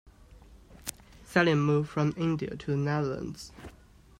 Salim moved from India to the Netherlands.